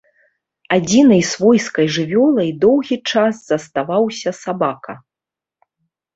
Адзінай свойскай жывёлай доўгі час заставаўся сабака.